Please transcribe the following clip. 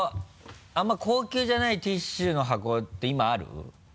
あんま高級じゃないティッシュの箱って今ある？